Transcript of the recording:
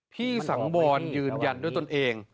พี่สังวรยืนยันด้วยตนเอง